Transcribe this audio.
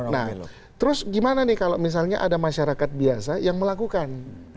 nah terus gimana nih kalau misalnya ada masyarakat biasa yang melakukan